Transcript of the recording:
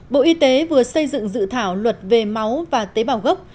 bộ y tế vừa xây dựng dự thảo luật về máu và tế bào gốc